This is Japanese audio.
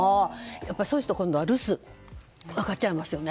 そうすると今度は留守が分かっちゃいますよね。